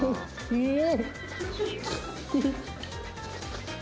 うん。